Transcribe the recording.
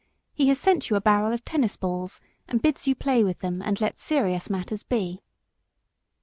He has sent you a barrel of tennis balls, and bids you play with them and let serious matters be."